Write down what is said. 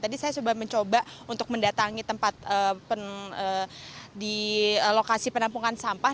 tadi saya sudah mencoba untuk mendatangi tempat di lokasi penampungan sampah